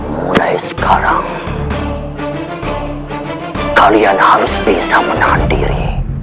mulai sekarang kalian harus bisa menahan diri